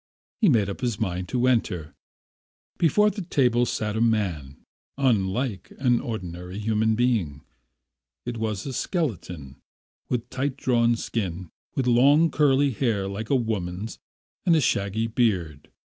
He made up his mind to enter. Before the table sat a man, unlike an ordinary human being. It was a skeleton, with tight drawn skin, with long curly hair like a woman's, and a shaggy beard.